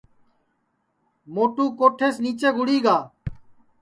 موٹو کوٹھیس نیچے گُڑی گا